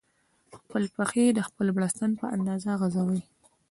خپلې پښې د خپل بړستن په اندازه غځوئ.